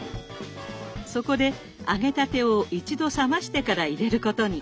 そこで揚げたてを一度冷ましてから入れることに。